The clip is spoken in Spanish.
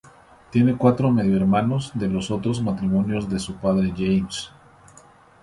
Tiene cuatro medio hermanos de los otros matrimonios de su padre James.